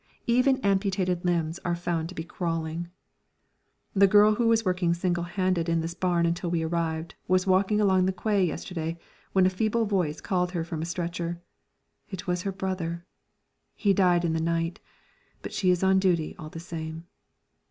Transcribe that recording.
Even amputated limbs are found to be crawling. The girl who was working single handed in this barn until we arrived was walking along the quay yesterday when a feeble voice called her from a stretcher. It was her brother. He died in the night, but she is on duty all the same.